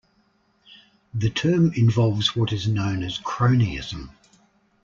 The term involves what is known as cronyism.